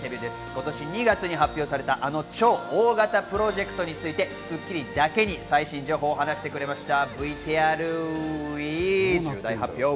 今年２月に発表されたあの超大型プロジェクトについて『スッキリ』だけに最新情報を話してくれました。